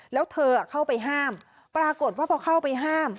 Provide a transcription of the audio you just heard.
แล้วเธอเข้าไปห้ามปรากฏว่าพอเข้าไปห้าม